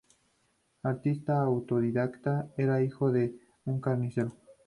Artista autodidacta, era hijo de un carnicero.